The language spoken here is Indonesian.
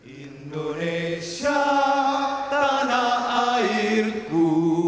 indonesia tanah airku